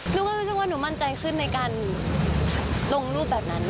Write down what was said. รู้สึกว่าหนูมั่นใจขึ้นในการลงรูปแบบนั้น